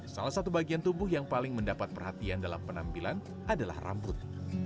salah satu bagian tubuh yang paling mendapat perhatian dalam penampilan adalah rambut